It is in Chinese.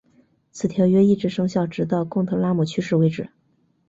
此条约一直生效直到贡特拉姆去世为止。